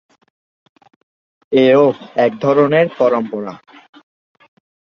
এও এক ধরনের পরম্পরা।